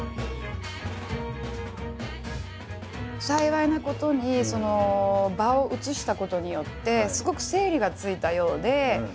幸いなことに場を移したことによってすごく整理がついたようで。